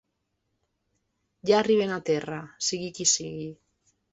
Ja arriben a terra, sigui qui sigui.